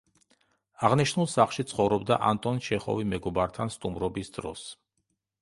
აღნიშნულ სახლში ცხოვრობდა ანტონ ჩეხოვი მეგობართან სტუმრობის დროს.